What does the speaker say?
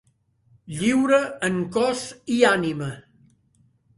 Lliure en cos i ànima.